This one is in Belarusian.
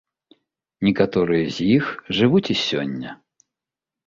Некаторыя з іх жывуць і сёння.